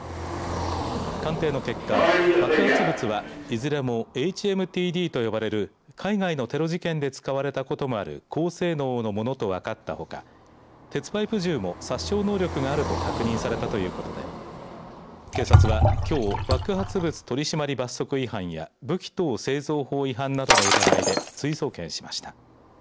鑑定の結果、爆発物は、いずれもＨＭＴＤと呼ばれる海外のテロ事件で使われたこともある高性能の物と分かったほか鉄パイプ銃も殺傷能力があると確認されたということで警察は、きょう爆発物取締罰則違反や武器等製造法違反などの疑いで追送検しました。